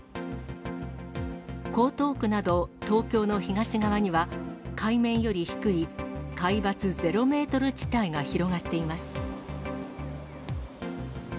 江東区など東京の東側には、海面より低い海抜ゼロメートル地帯が広がっています。